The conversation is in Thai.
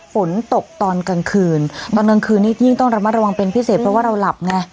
ฝนตกตอนกลางคืนตอนกลางคืนนี้ยิ่งต้องระมัดระวังเป็นพิเศษเพราะว่าเราหลับไง